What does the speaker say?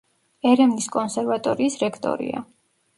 ერევნის კონსერვატორიის რექტორია.